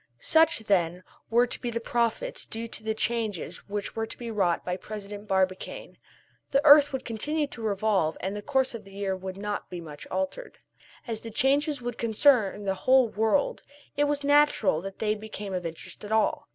Such, then, were to be the profits due to the changes which were to be wrought by President Barbicane. The earth would continue to revolve and the course of the year would not be much altered. As the changes would concern the whole world it was natural that they became of interest to all.